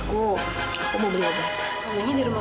kamu ngetes apa lagi zahira